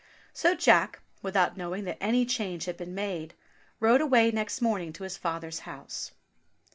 So Jack, without knowing that any change had been made, rode away next morning to his father's house.